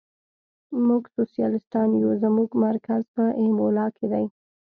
موږ سوسیالیستان یو، زموږ مرکز په ایمولا کې دی.